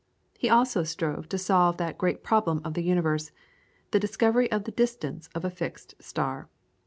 He also strove to solve that great problem of the universe, the discovery of the distance of a fixed star.